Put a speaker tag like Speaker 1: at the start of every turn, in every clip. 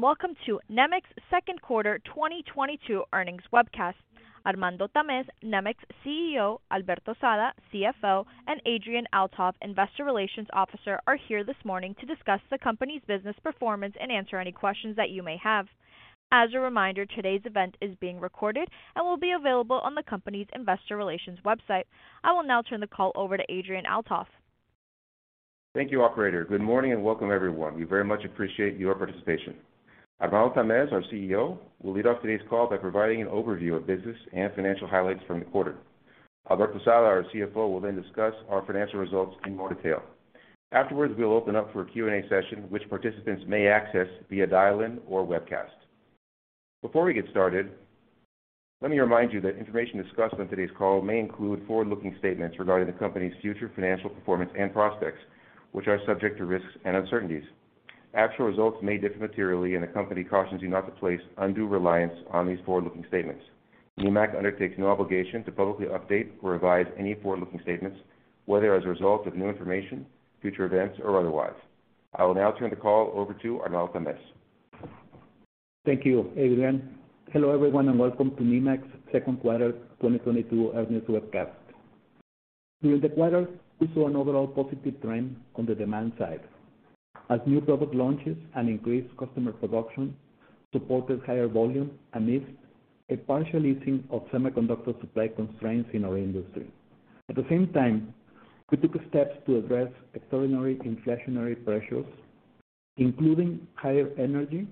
Speaker 1: Welcome to Nemak's second quarter 2022 earnings webcast. Armando Tamez, Nemak's CEO, Alberto Sada, CFO, and Adrian Althoff, Investor Relations Officer, are here this morning to discuss the company's business performance and answer any questions that you may have. As a reminder, today's event is being recorded and will be available on the company's investor relations website. I will now turn the call over to Adrian Althoff.
Speaker 2: Thank you, operator. Good morning and welcome, everyone. We very much appreciate your participation. Armando Tamez, our CEO, will lead off today's call by providing an overview of business and financial highlights from the quarter. Alberto Sada, our CFO, will then discuss our financial results in more detail. Afterwards, we'll open up for a Q&A session, which participants may access via dial-in or webcast. Before we get started, let me remind you that information discussed on today's call may include forward-looking statements regarding the company's future financial performance and prospects, which are subject to risks and uncertainties. Actual results may differ materially, and the company cautions you not to place undue reliance on these forward-looking statements. Nemak undertakes no obligation to publicly update or revise any forward-looking statements, whether as a result of new information, future events, or otherwise. I will now turn the call over to Armando Tamez.
Speaker 3: Thank you, Adrian. Hello, everyone, and welcome to Nemak's second quarter 2022 earnings webcast. During the quarter, we saw an overall positive trend on the demand side as new product launches and increased customer production supported higher volume amidst a partial easing of semiconductor supply constraints in our industry. At the same time, we took steps to address extraordinary inflationary pressures, including higher energy,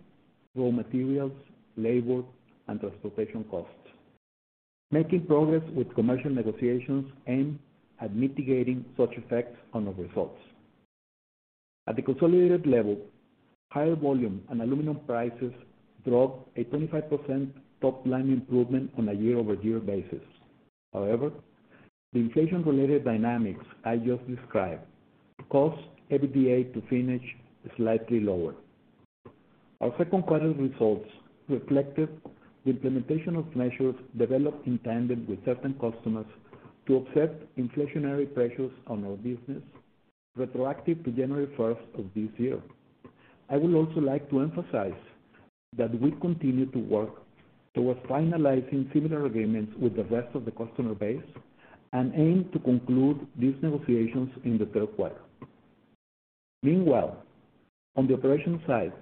Speaker 3: raw materials, labor, and transportation costs, making progress with commercial negotiations aimed at mitigating such effects on our results. At the consolidated level, higher volume and aluminum prices drove a 25% top-line improvement on a year-over-year basis. However, the inflation-related dynamics I just described caused EBITDA to finish slightly lower. Our second quarter results reflected the implementation of measures developed in tandem with certain customers to offset inflationary pressures on our business, retroactive to January first of this year. I would also like to emphasize that we continue to work towards finalizing similar agreements with the rest of the customer base and aim to conclude these negotiations in the third quarter. Meanwhile, on the operational side,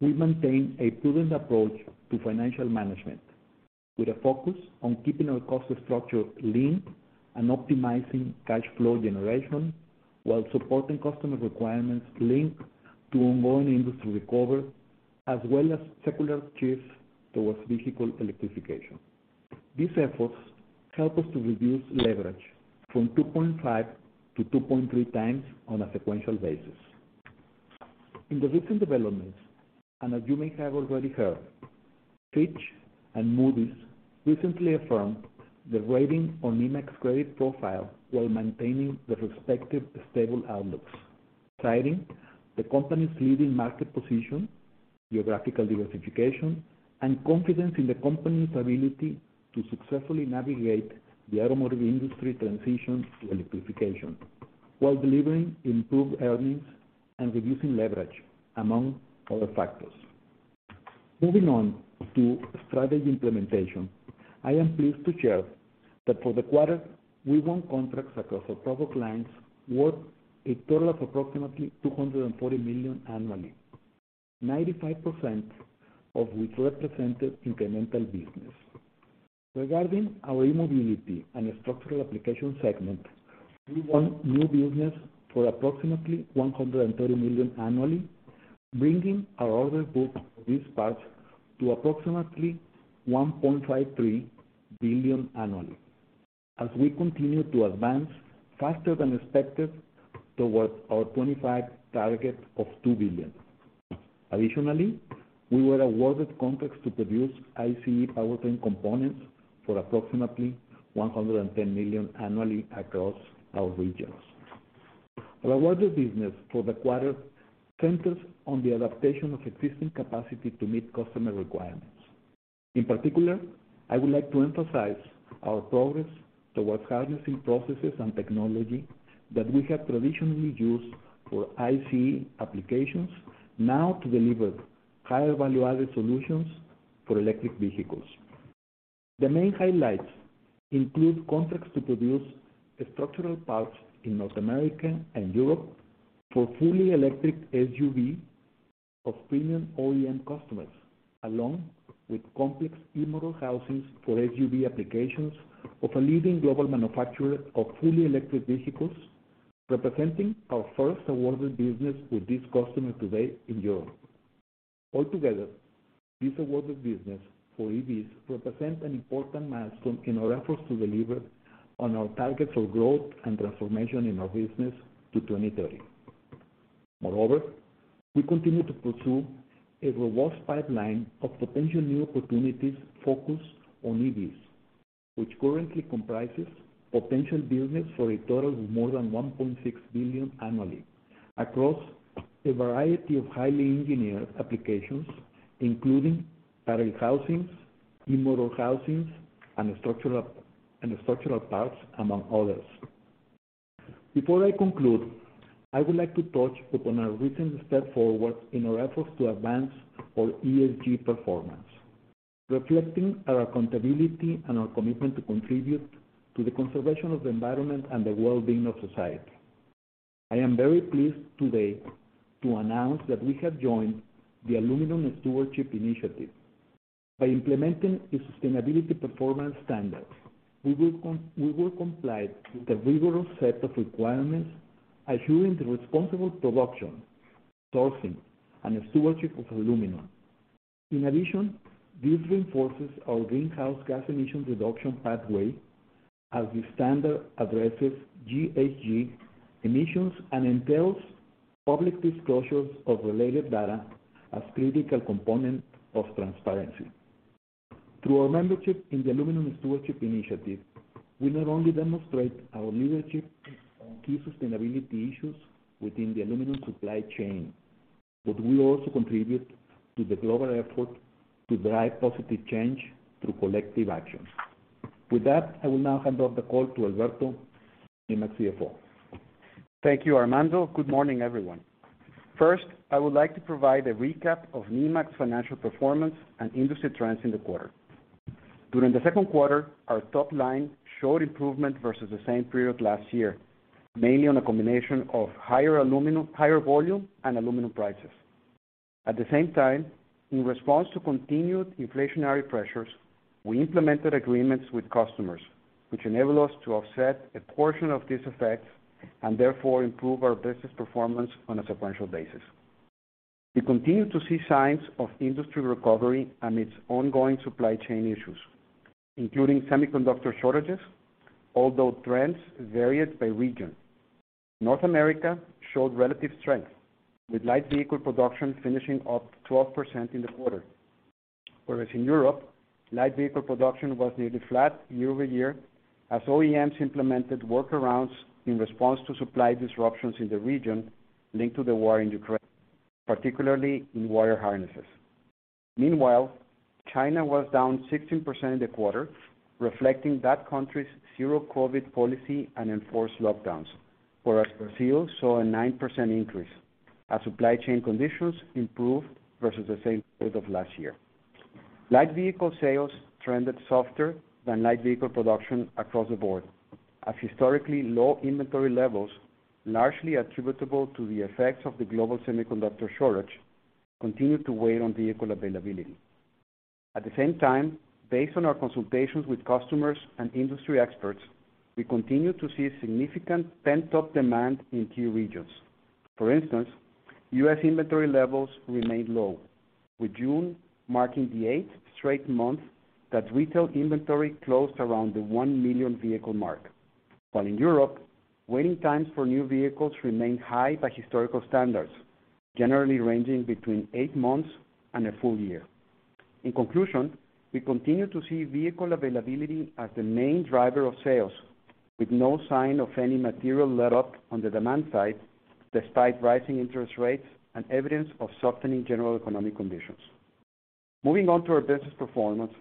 Speaker 3: we maintain a prudent approach to financial management with a focus on keeping our cost structure lean and optimizing cash flow generation while supporting customer requirements linked to ongoing industry recovery, as well as secular shifts towards vehicle electrification. These efforts help us to reduce leverage from 2.5 to 2.3 times on a sequential basis. In the recent developments, and as you may have already heard, Fitch and Moody's recently affirmed the rating on Nemak's credit profile while maintaining the respective stable outlooks, citing the company's leading market position, geographical diversification, and confidence in the company's ability to successfully navigate the automotive industry transition to electrification while delivering improved earnings and reducing leverage, among other factors. Moving on to strategy implementation, I am pleased to share that for the quarter, we won contracts across our product lines worth a total of approximately $240 million annually, 95% of which represented incremental business. Regarding our e-mobility and structural applications segment, we won new business for approximately $130 million annually, bringing our order book for these parts to approximately $1.53 billion annually, as we continue to advance faster than expected towards our 2025 target of $2 billion. Additionally, we were awarded contracts to produce ICE powertrain components for approximately $110 million annually across our regions. Our awarded business for the quarter centers on the adaptation of existing capacity to meet customer requirements. In particular, I would like to emphasize our progress towards harnessing processes and technology that we have traditionally used for ICE applications now to deliver higher value-added solutions for electric vehicles. The main highlights include contracts to produce structural parts in North America and Europe for fully electric SUV of premium OEM customers, along with complex e-motor housings for SUV applications of a leading global manufacturer of fully electric vehicles, representing our first awarded business with this customer to date in Europe. Altogether, this awarded business for EVs represents an important milestone in our efforts to deliver on our targets for growth and transformation in our business to 2030. Moreover, we continue to pursue a robust pipeline of potential new opportunities focused on EVs, which currently comprises potential business for a total of more than $1.6 billion annually across a variety of highly engineered applications, including battery housings, e-motor housings, and structural parts, among others. Before I conclude, I would like to touch upon our recent step forward in our efforts to advance our ESG performance, reflecting our accountability and our commitment to contribute to the conservation of the environment and the well-being of society. I am very pleased today to announce that we have joined the Aluminum Stewardship Initiative. By implementing the sustainability performance standards, we will comply with a rigorous set of requirements assuring the responsible production, sourcing, and stewardship of aluminum. In addition, this reinforces our greenhouse gas emission reduction pathway as the standard addresses GHG emissions and entails public disclosures of related data as critical component of transparency. Through our membership in the Aluminum Stewardship Initiative, we not only demonstrate our leadership on key sustainability issues within the aluminum supply chain, but we also contribute to the global effort to drive positive change through collective action. With that, I will now hand off the call to Alberto Sada, Nemak CFO.
Speaker 4: Thank you, Armando. Good morning, everyone. First, I would like to provide a recap of Nemak's financial performance and industry trends in the quarter. During the second quarter, our top line showed improvement versus the same period last year, mainly on a combination of higher aluminum, higher volume, and aluminum prices. At the same time, in response to continued inflationary pressures, we implemented agreements with customers, which enable us to offset a portion of this effect, and therefore improve our business performance on a sequential basis. We continue to see signs of industry recovery amidst ongoing supply chain issues, including semiconductor shortages, although trends varied by region. North America showed relative strength, with light vehicle production finishing up 12% in the quarter. In Europe, light vehicle production was nearly flat year-over-year as OEMs implemented workarounds in response to supply disruptions in the region linked to the war in Ukraine, particularly in wire harnesses. Meanwhile, China was down 16% in the quarter, reflecting that country's zero-COVID policy and enforced lockdowns. Brazil saw a 9% increase as supply chain conditions improved versus the same period of last year. Light vehicle sales trended softer than light vehicle production across the board, as historically low inventory levels, largely attributable to the effects of the global semiconductor shortage, continued to weigh on vehicle availability. At the same time, based on our consultations with customers and industry experts, we continue to see significant pent-up demand in key regions. For instance, U.S. inventory levels remain low, with June marking the eighth straight month that retail inventory closed around the 1 million vehicle mark. While in Europe, waiting times for new vehicles remain high by historical standards, generally ranging between eight months and a full year. In conclusion, we continue to see vehicle availability as the main driver of sales, with no sign of any material letup on the demand side, despite rising interest rates and evidence of softening general economic conditions. Moving on to our business performance.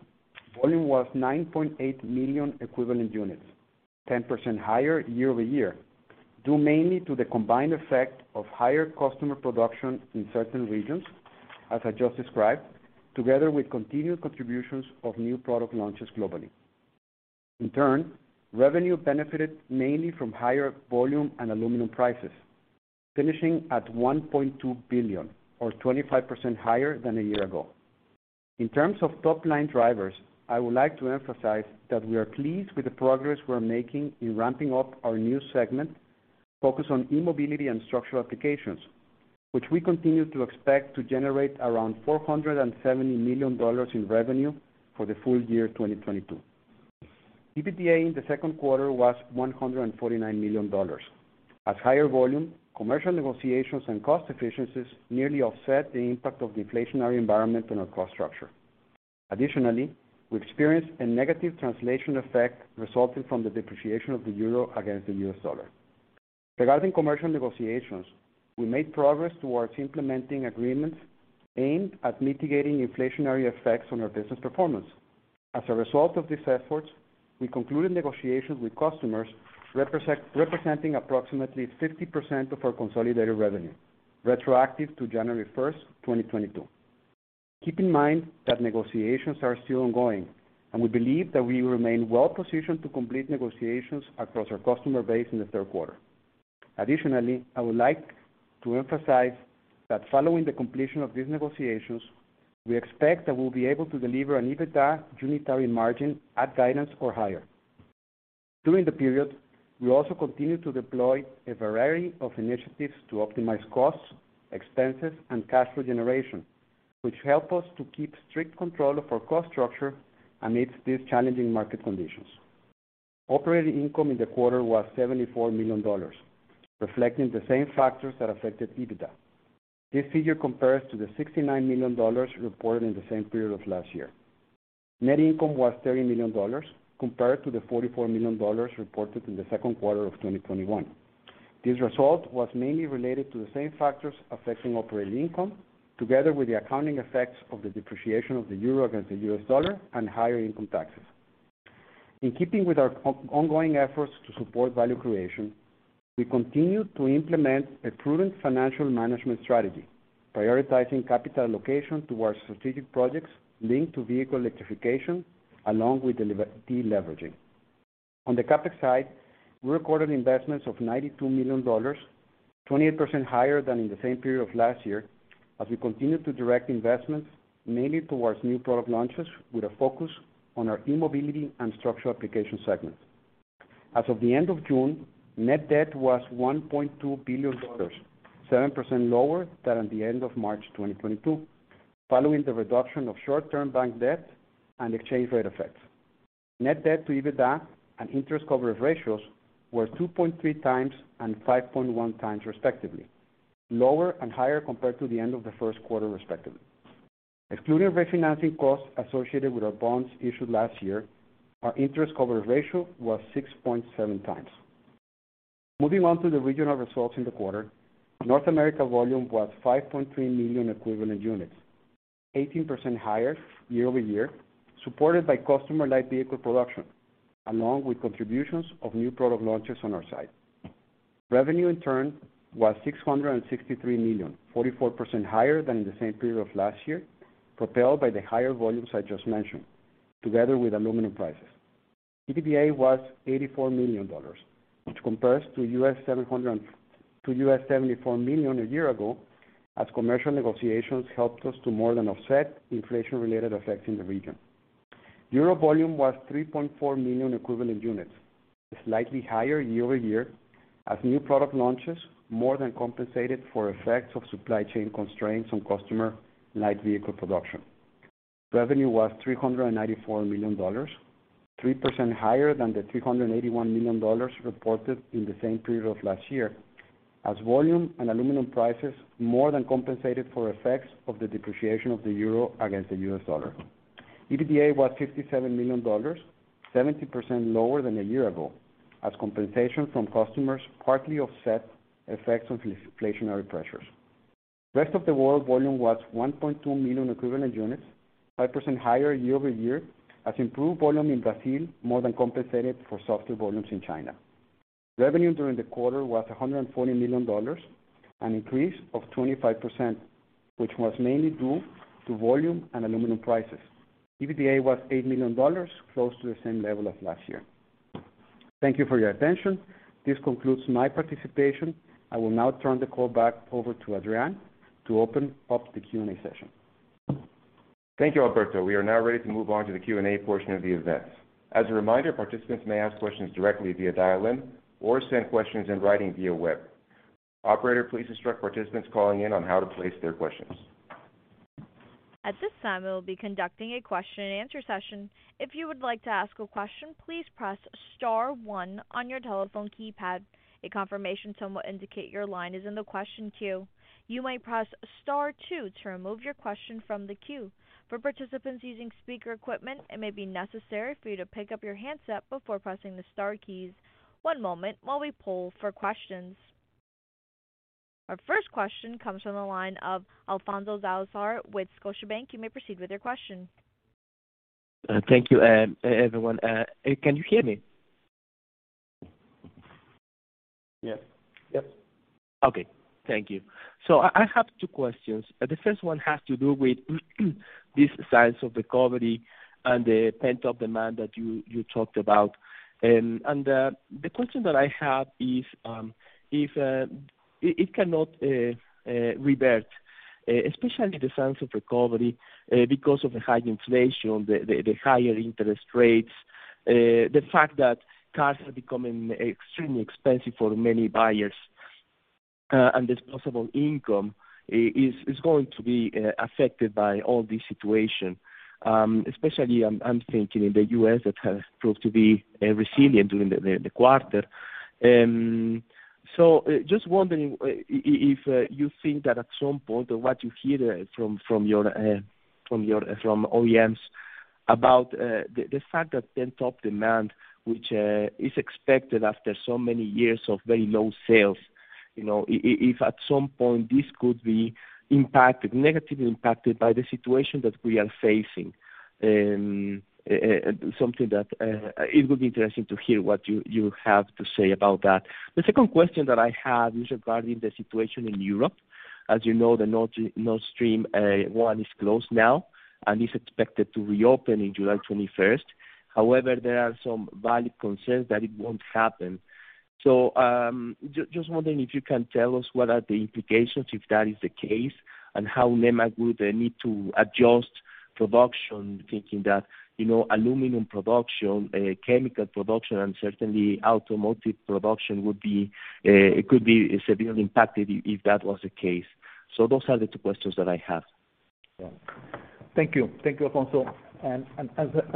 Speaker 4: Volume was 9.8 million equivalent units, 10% higher year-over-year, due mainly to the combined effect of higher customer production in certain regions, as I just described, together with continued contributions of new product launches globally. In turn, revenue benefited mainly from higher volume and aluminum prices, finishing at $1.2 billion, or 25% higher than a year ago. In terms of top-line drivers, I would like to emphasize that we are pleased with the progress we're making in ramping up our new segment, focused on e-mobility and structural applications, which we continue to expect to generate around $470 million in revenue for the full year 2022. EBITDA in the second quarter was $149 million. Higher volume, commercial negotiations, and cost efficiencies nearly offset the impact of the inflationary environment on our cost structure. Additionally, we experienced a negative translation effect resulting from the depreciation of the euro against the U.S. dollar. Regarding commercial negotiations, we made progress towards implementing agreements aimed at mitigating inflationary effects on our business performance. As a result of these efforts, we concluded negotiations with customers representing approximately 50% of our consolidated revenue, retroactive to January 1st, 2022. Keep in mind that negotiations are still ongoing, and we believe that we remain well-positioned to complete negotiations across our customer base in the third quarter. Additionally, I would like to emphasize that following the completion of these negotiations, we expect that we'll be able to deliver an EBITDA unitary margin at guidance or higher. During the period, we also continued to deploy a variety of initiatives to optimize costs, expenses, and cash flow generation, which help us to keep strict control of our cost structure amidst these challenging market conditions. Operating income in the quarter was $74 million, reflecting the same factors that affected EBITDA. This figure compares to the $69 million reported in the same period of last year. Net income was $30 million, compared to the $44 million reported in the second quarter of 2021. This result was mainly related to the same factors affecting operating income. Together with the accounting effects of the depreciation of the euro against the U.S. dollar and higher income taxes. In keeping with our ongoing efforts to support value creation, we continue to implement a prudent financial management strategy, prioritizing capital allocation towards strategic projects linked to vehicle electrification, along with deleveraging. On the CapEx side, we recorded investments of $92 million, 28% higher than in the same period of last year, as we continue to direct investments mainly towards new product launches with a focus on our e-mobility and structural applications segments. As of the end of June, net debt was $1.2 billion, 7% lower than at the end of March 2022, following the reduction of short-term bank debt and exchange rate effects. Net debt to EBITDA and interest coverage ratios were 2.3 times and 5.1 times respectively, lower and higher compared to the end of the first quarter, respectively. Excluding refinancing costs associated with our bonds issued last year, our interest coverage ratio was 6.7 times. Moving on to the regional results in the quarter. North America volume was 5.3 million equivalent units, 18% higher year-over-year, supported by customer light vehicle production, along with contributions of new product launches on our side. Revenue in turn was $663 million, 44% higher than in the same period of last year, propelled by the higher volumes I just mentioned, together with aluminum prices. EBITDA was $84 million, which compares to $74 million a year ago, as commercial negotiations helped us to more than offset inflation-related effects in the region. Europe volume was 3.4 million equivalent units, slightly higher year-over-year, as new product launches more than compensated for effects of supply chain constraints on customer light vehicle production. Revenue was $394 million, 3% higher than the $381 million reported in the same period of last year, as volume and aluminum prices more than compensated for effects of the depreciation of the euro against the U.S. dollar. EBITDA was $57 million, 70% lower than a year ago as compensation from customers partly offset effects of inflationary pressures. Rest of the world volume was 1.2 million equivalent units, 5% higher year-over-year, as improved volume in Brazil more than compensated for softer volumes in China. Revenue during the quarter was $140 million, an increase of 25%, which was mainly due to volume and aluminum prices. EBITDA was $8 million, close to the same level of last year. Thank you for your attention. This concludes my participation. I will now turn the call back over to Adrian to open up the Q&A session.
Speaker 2: Thank you, Alberto. We are now ready to move on to the Q&A portion of the event. As a reminder, participants may ask questions directly via dial-in or send questions in writing via web. Operator, please instruct participants calling in on how to place their questions.
Speaker 1: At this time, we will be conducting a question and answer session. If you would like to ask a question, please press star one on your telephone keypad. A confirmation tone will indicate your line is in the question queue. You may press star two to remove your question from the queue. For participants using speaker equipment, it may be necessary for you to pick up your handset before pressing the star keys. One moment while we poll for questions. Our first question comes from the line of Alfonso Salazar with Scotiabank. You may proceed with your question.
Speaker 5: Thank you, everyone. Can you hear me?
Speaker 4: Yes. Yep.
Speaker 5: Okay. Thank you. I have two questions. The first one has to do with these signs of recovery and the pent-up demand that you talked about. The question that I have is, if it cannot revert, especially the signs of recovery, because of the high inflation, the higher interest rates, the fact that cars are becoming extremely expensive for many buyers, and this disposable income is going to be affected by all this situation, especially I'm thinking of the U.S. that has proved to be resilient during the quarter. Just wondering, if you think that at some point or what you hear from your OEMs about the fact that pent-up demand, which is expected after so many years of very low sales, you know, if at some point this could be impacted, negatively impacted by the situation that we are facing. Something that it would be interesting to hear what you have to say about that. The second question that I have is regarding the situation in Europe. As you know, the Nord Stream 1 is closed now and is expected to reopen in July 21st. However, there are some valid concerns that it won't happen. Just wondering if you can tell us what are the implications, if that is the case, and how Nemak would need to adjust production thinking that, you know, aluminum production, chemical production, and certainly automotive production would be, it could be severely impacted if that was the case. Those are the two questions that I have.
Speaker 3: Thank you. Thank you, Alfonso.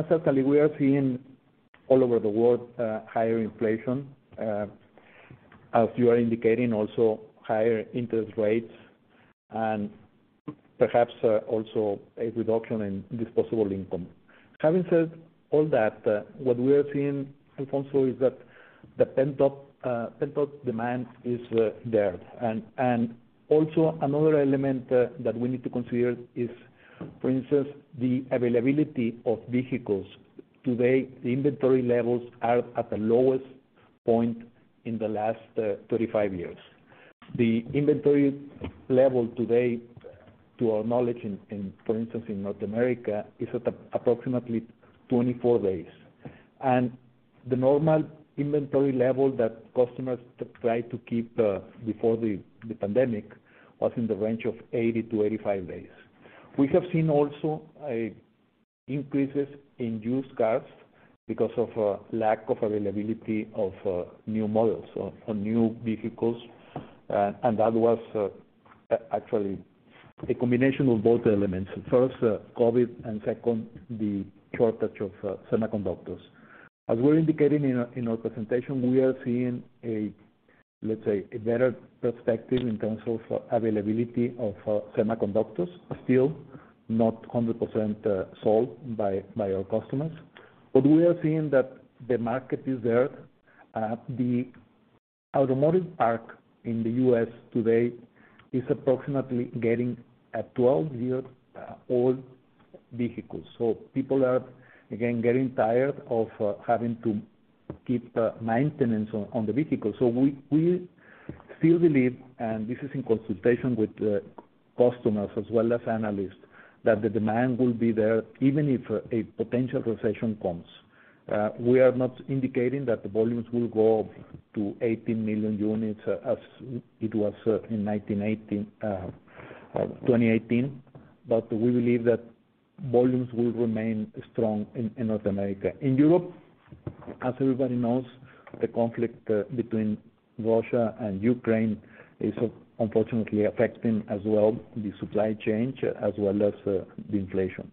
Speaker 3: Certainly we are seeing all over the world higher inflation, as you are indicating, also higher interest rates and perhaps also a reduction in disposable income. Having said all that, what we are seeing, Alfonso, is that the pent-up demand is there. Also another element that we need to consider is, for instance, the availability of vehicles. Today, the inventory levels are at the lowest point in the last 35 years. The inventory level today, to our knowledge, for instance, in North America, is at approximately 24 days. The normal inventory level that customers try to keep before the pandemic was in the range of 80-85 days. We have seen also an increase in used cars because of a lack of availability of new models or new vehicles. That was actually a combination of both elements. First, COVID, and second the shortage of semiconductors. As we're indicating in our presentation, we are seeing, let's say, a better perspective in terms of availability of semiconductors. Still not 100% sold by our customers. We are seeing that the market is there. The automotive parc in the U.S. today is approximately getting a 12-year-old vehicle. People are again getting tired of having to keep the maintenance on the vehicle. We still believe, and this is in consultation with customers as well as analysts, that the demand will be there even if a potential recession comes. We are not indicating that the volumes will go to 18 million units as it was in 2018, but we believe that volumes will remain strong in North America. In Europe, as everybody knows, the conflict between Russia and Ukraine is unfortunately affecting the supply chain as well as the inflation.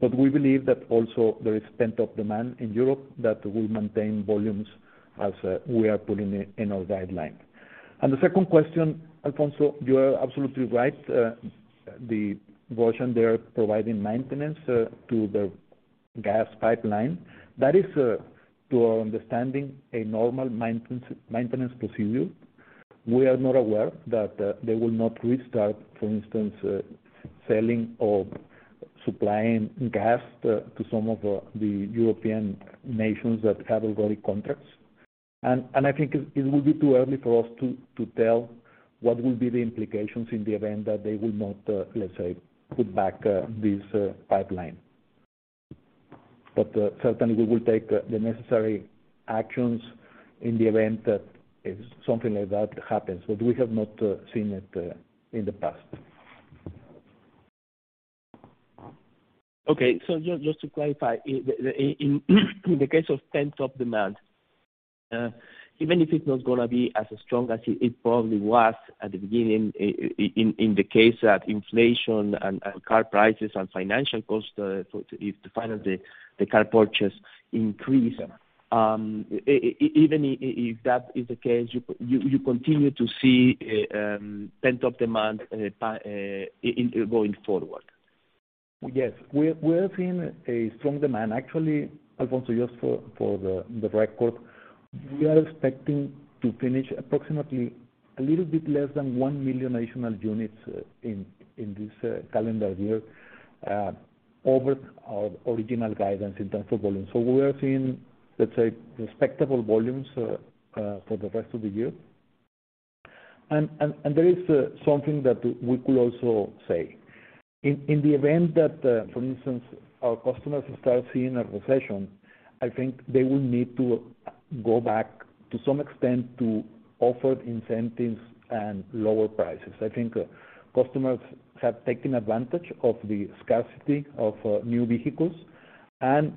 Speaker 3: We believe that also there is pent-up demand in Europe that will maintain volumes as we are putting it in our guideline. The second question, Alfonso, you are absolutely right. The Russians are providing maintenance to the gas pipeline. That is, to our understanding, a normal maintenance procedure. We are not aware that they will not restart, for instance, selling or supplying gas to some of the European nations that have already contracts. I think it will be too early for us to tell what will be the implications in the event that they will not, let's say, put back this pipeline. Certainly we will take the necessary actions in the event that if something like that happens, but we have not seen it in the past.
Speaker 5: Just to clarify, in the case of pent-up demand, even if it's not gonna be as strong as it probably was at the beginning in the case that inflation and car prices and financial costs to finance the car purchase increase, even if that is the case, you continue to see pent-up demand in going forward?
Speaker 3: Yes. We're seeing a strong demand. Actually, Alfonso, just for the record, we are expecting to finish approximately a little bit less than 1 million additional units in this calendar year over our original guidance in terms of volume. We are seeing, let's say, respectable volumes for the rest of the year. There is something that we could also say. In the event that, for instance, our customers start seeing a recession, I think they will need to go back to some extent to offer incentives and lower prices. I think customers have taken advantage of the scarcity of new vehicles, and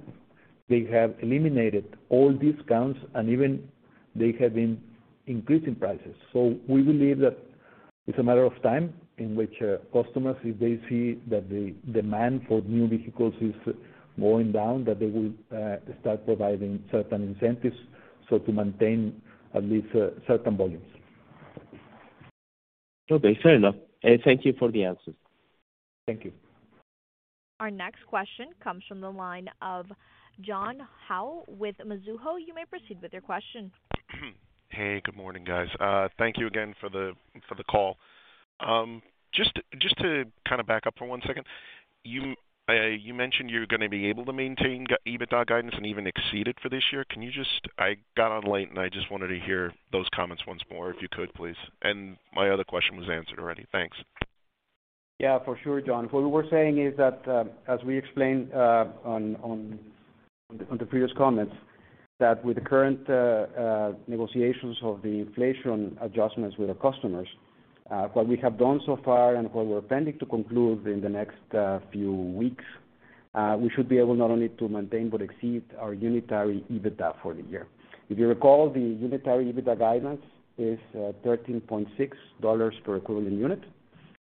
Speaker 3: they have eliminated all discounts, and even they have been increasing prices. We believe that it's a matter of time in which customers, if they see that the demand for new vehicles is going down, that they will start providing certain incentives so to maintain at least certain volumes.
Speaker 5: Okay, fair enough. Thank you for the answers.
Speaker 3: Thank you.
Speaker 1: Our next question comes from the line of John Howe with Mizuho. You may proceed with your question.
Speaker 6: Hey, good morning, guys. Thank you again for the call. Just to kind of back up for one second, you mentioned you're gonna be able to maintain EBITDA guidance and even exceed it for this year. Can you just. I got on late, and I just wanted to hear those comments once more if you could, please. My other question was answered already. Thanks.
Speaker 4: Yeah, for sure, John. What we were saying is that, as we explained, on the previous comments, that with the current negotiations of the inflation adjustments with our customers, what we have done so far and what we're planning to conclude in the next few weeks, we should be able not only to maintain but exceed our unitary EBITDA for the year. If you recall, the unitary EBITDA guidance is $13.6 per equivalent unit.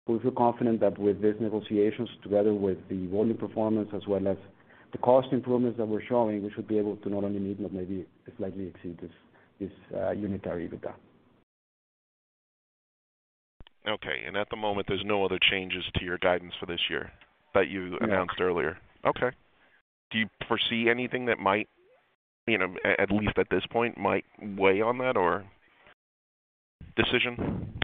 Speaker 4: We feel confident that with these negotiations together with the volume performance as well as the cost improvements that we're showing, we should be able to not only meet but maybe slightly exceed this unitary EBITDA.
Speaker 6: Okay. At the moment, there's no other changes to your guidance for this year that you announced earlier?
Speaker 4: No.
Speaker 6: Okay. Do you foresee anything that might, you know, at least at this point, might weigh on that or decision?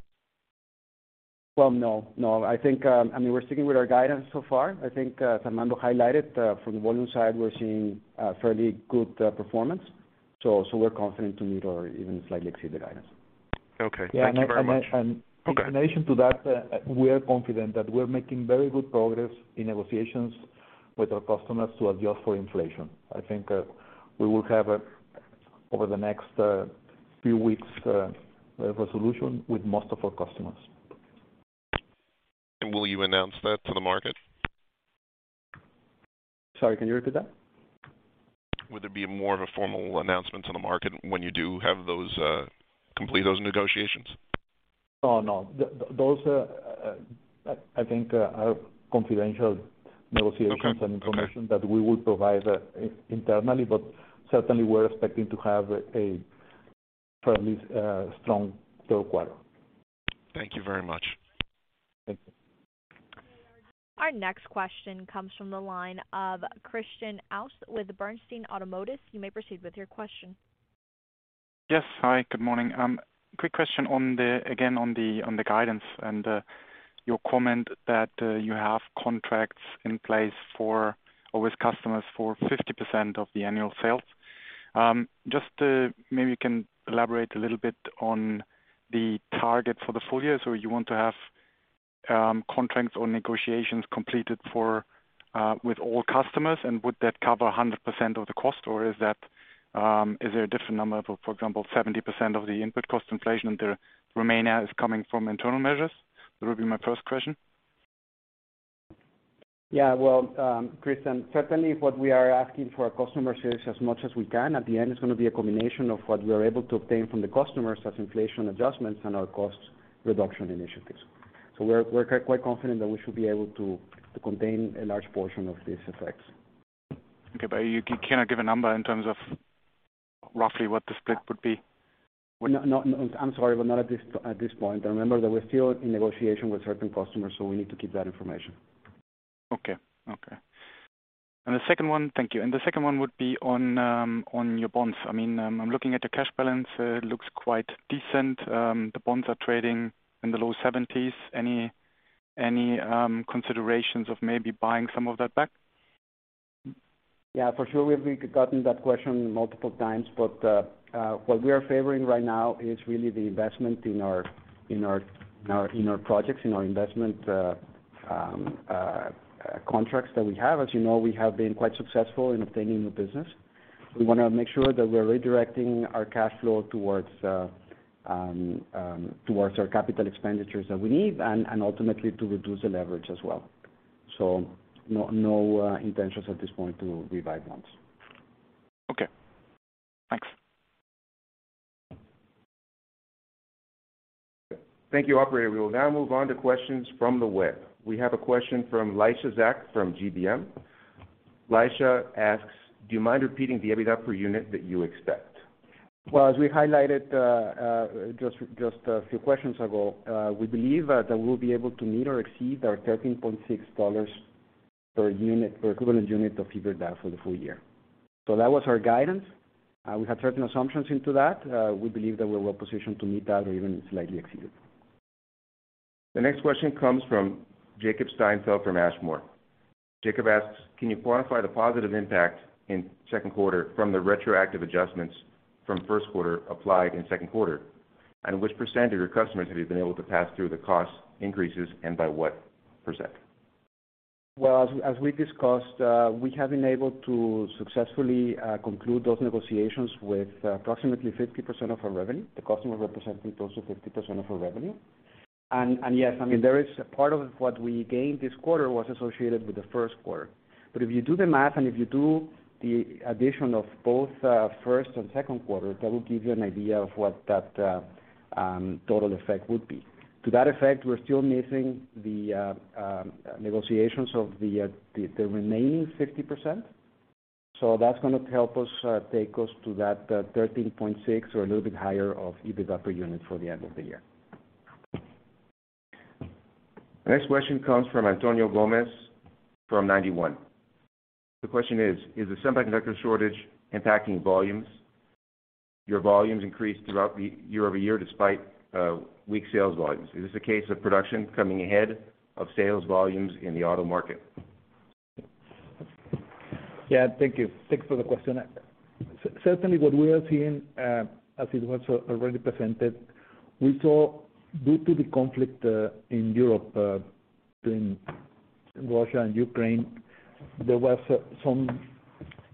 Speaker 4: Well, no. I think, I mean, we're sticking with our guidance so far. I think, Armando highlighted, from the volume side, we're seeing a fairly good performance. We're confident to meet or even slightly exceed the guidance.
Speaker 6: Okay. Thank you very much.
Speaker 3: Yeah. In addition to that, we are confident that we're making very good progress in negotiations with our customers to adjust for inflation. I think we will have over the next few weeks a resolution with most of our customers.
Speaker 6: Will you announce that to the market?
Speaker 3: Sorry, can you repeat that?
Speaker 6: Would there be more of a formal announcement to the market when you do have those complete those negotiations?
Speaker 3: No, no. Those, I think, are confidential negotiations.
Speaker 6: Okay. Okay.
Speaker 3: information that we would provide internally, but certainly we're expecting to have a fairly strong third quarter.
Speaker 6: Thank you very much.
Speaker 3: Thank you.
Speaker 1: Our next question comes from the line of Christian Aust with Bernstein Autonomous. You may proceed with your question.
Speaker 7: Yes. Hi, good morning. Quick question on the guidance and your comment that you have contracts in place with customers for 50% of the annual sales. Just maybe you can elaborate a little bit on the target for the full year. You want to have contracts or negotiations completed with all customers? And would that cover 100% of the cost, or is there a different number, for example, 70% of the input cost inflation and the remainder is coming from internal measures? That would be my first question.
Speaker 4: Yeah. Well, Christian, certainly what we are asking for our customers is as much as we can. At the end, it's gonna be a combination of what we are able to obtain from the customers as inflation adjustments and our cost reduction initiatives. We're quite confident that we should be able to contain a large portion of these effects.
Speaker 7: Okay. You cannot give a number in terms of roughly what the split would be?
Speaker 4: No, no, I'm sorry, but not at this point. Remember that we're still in negotiation with certain customers, so we need to keep that information.
Speaker 7: Okay. Thank you. The second one would be on your bonds. I mean, I'm looking at the cash balance. It looks quite decent. The bonds are trading in the low 70s. Any considerations of maybe buying some of that back?
Speaker 4: Yeah, for sure. We've gotten that question multiple times, but what we are favoring right now is really the investment in our projects, in our investment contracts that we have. As you know, we have been quite successful in obtaining new business. We wanna make sure that we're redirecting our cash flow towards our capital expenditures that we need and ultimately to reduce the leverage as well. No intentions at this point to revise bonds.
Speaker 7: Okay. Thanks.
Speaker 2: Thank you, operator. We will now move on to questions from the web. We have a question from Laisha Zaack from GBM. Laisha asks, "Do you mind repeating the EBITDA per unit that you expect?
Speaker 4: Well, as we highlighted, just a few questions ago, we believe that we'll be able to meet or exceed our $13.6 per unit, per equivalent unit of EBITDA for the full year. That was our guidance. We had certain assumptions into that. We believe that we're well positioned to meet that or even slightly exceed it.
Speaker 2: The next question comes from Jacob Steinfeld from Ashmore. Jacob asks, "Can you quantify the positive impact in second quarter from the retroactive adjustments from first quarter applied in second quarter? And what percent of your customers have you been able to pass through the cost increases, and by what percent?
Speaker 4: Well, as we discussed, we have been able to successfully conclude those negotiations with approximately 50% of our revenue, the customer representing close to 50% of our revenue. Yes, I mean, there is a part of what we gained this quarter was associated with the first quarter. If you do the math and if you do the addition of both, first and second quarter, that will give you an idea of what that total effect would be. To that effect, we're still missing the negotiations of the remaining 50%. That's gonna help us take us to that 13.6 or a little bit higher of EBITDA per unit for the end of the year.
Speaker 2: The next question comes from Antonio Gomes from Ninety One. The question is, "Is the semiconductor shortage impacting volumes? Your volumes increased throughout the year-over-year despite weak sales volumes. Is this a case of production coming ahead of sales volumes in the auto market?
Speaker 3: Yeah, thank you. Thanks for the question. Certainly, what we are seeing, as it was already presented, we saw due to the conflict in Europe between Russia and Ukraine, there was some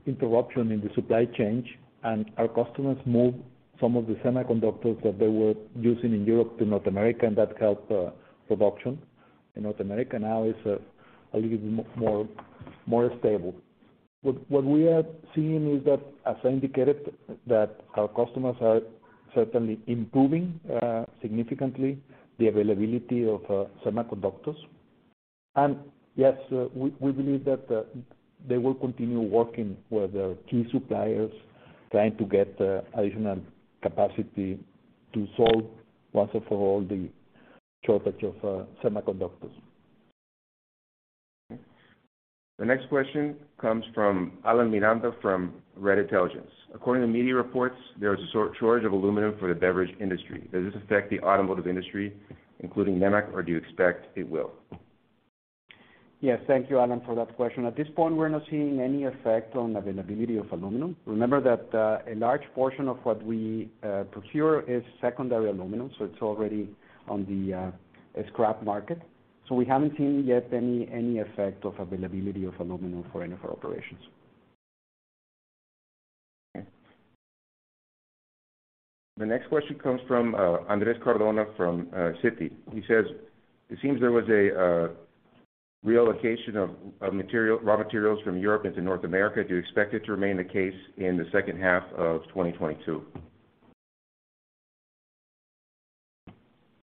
Speaker 3: interruption in the supply chain, and our customers moved some of the semiconductors that they were using in Europe to North America, and that helped production. In North America now is a little bit more stable. What we are seeing is that, as I indicated, that our customers are certainly improving significantly the availability of semiconductors. Yes, we believe that they will continue working with their key suppliers, trying to get additional capacity to solve once and for all the shortage of semiconductors.
Speaker 2: The next question comes from Alan Miranda from REDD Intelligence. According to media reports, there is a shortage of aluminum for the beverage industry. Does this affect the automotive industry, including Nemak, or do you expect it will?
Speaker 4: Yes. Thank you, Alan, for that question. At this point, we're not seeing any effect on availability of aluminum. Remember that a large portion of what we procure is secondary aluminum, so it's already on the scrap market. We haven't seen yet any effect of availability of aluminum for any of our operations.
Speaker 2: Okay. The next question comes from Andres Cardona from Citi. He says, "It seems there was a relocation of material, raw materials from Europe into North America. Do you expect it to remain the case in the second half of 2022?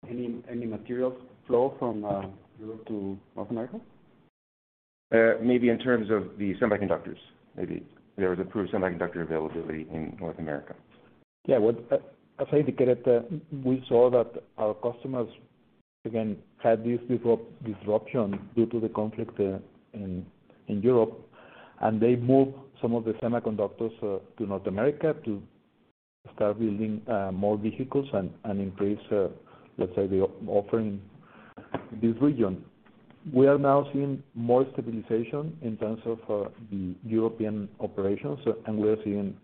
Speaker 4: Any materials flow from Europe to North America?
Speaker 2: Maybe in terms of the semiconductors. Maybe there's improved semiconductor availability in North America.
Speaker 3: Well, as I indicated, we saw that our customers, again, had this disruption due to the conflict in Europe, and they moved some of the semiconductors to North America to start building more vehicles and increase, let's say, the offering in this region. We are now seeing more stabilization in terms of the European operations, and we are seeing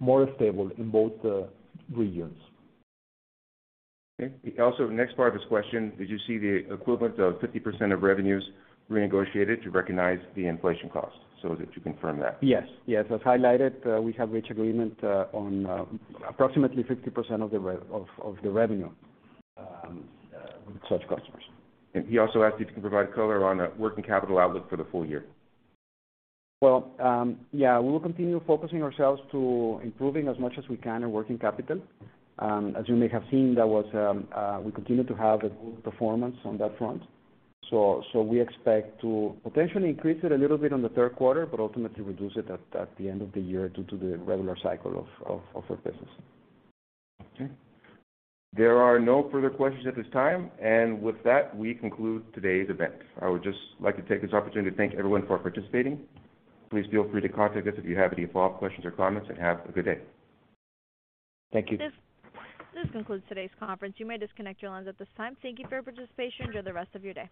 Speaker 3: more stable in both regions.
Speaker 2: Okay. Also, the next part of his question, did you see the equivalent of 50% of revenues renegotiated to recognize the inflation cost? Did you confirm that?
Speaker 4: Yes. As highlighted, we have reached agreement on approximately 50% of the revenue with such customers.
Speaker 2: He also asked you if you can provide color on a working capital outlook for the full year.
Speaker 4: Well, yeah, we will continue focusing ourselves to improving as much as we can in working capital. As you may have seen, we continue to have a good performance on that front. We expect to potentially increase it a little bit on the third quarter, but ultimately reduce it at the end of the year due to the regular cycle of our business.
Speaker 2: Okay. There are no further questions at this time. With that, we conclude today's event. I would just like to take this opportunity to thank everyone for participating. Please feel free to contact us if you have any follow-up questions or comments, and have a good day.
Speaker 4: Thank you.
Speaker 1: This concludes today's conference. You may disconnect your lines at this time. Thank you for your participation. Enjoy the rest of your day.